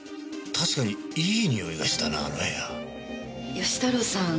義太郎さん